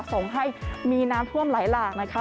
ส่งให้มีน้ำท่วมไหลหลากนะคะ